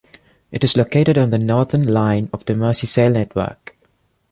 It is located on the Northern Line of the Merseyrail network.